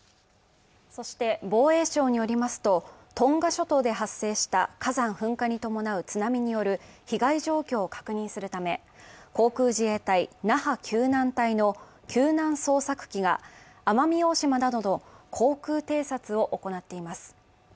そして、防衛省によりますと、トンガ諸島で発生した火山噴火に伴う津波による被害状況を確認するため、航空自衛隊那覇救難隊の救難捜索機が奄美大島など航空偵察を行っています。